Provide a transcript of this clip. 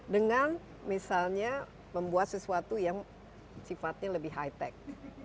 dengan misalnya membuat sesuatu yang sifatnya lebih high tech